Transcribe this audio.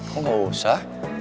kok gak usah